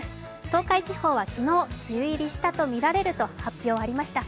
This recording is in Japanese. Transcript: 東海地方は昨日、梅雨入りしたとみられると発表がありました。